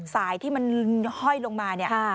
สายที่มันห้อยลงมาเนี่ย